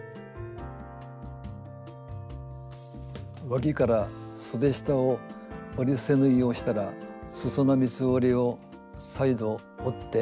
わきからそで下を折り伏せ縫いをしたらすその三つ折りを再度折って。